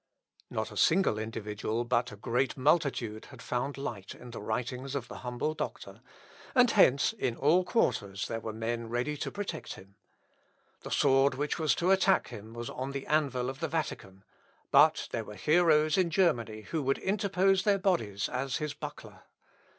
" Not a single individual, but a great multitude, had found light in the writings of the humble doctor; and hence, in all quarters, there were men ready to protect him. The sword which was to attack him was on the anvil of the Vatican; but there were heroes in Germany who would interpose their bodies as his buckler.